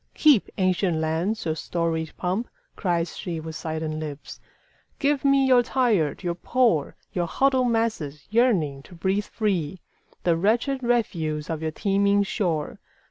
"Keep, ancient lands, your storied pomp!" cries sheWith silent lips. "Give me your tired, your poor, Your huddled masses yearning to breathe free, The wretched refuse of your teeming shore.